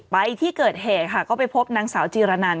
ไปที่เกิดแหก็พบนางสาวจีระนาน